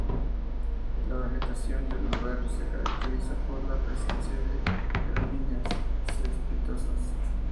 La vegetación del lugar se caracteriza por la presencia de gramíneas cespitosas.